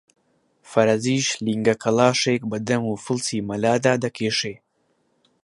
فەرەجیش لینگە کەڵاشێک بە دەم و فڵچی مەلادا دەکێشێ